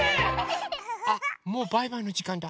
あもうバイバイのじかんだ！